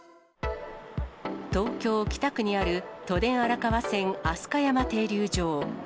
東京・北区にある都電荒川線飛鳥山停留場。